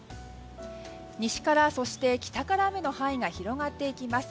西から、そして北から雨の範囲が広がっていきます。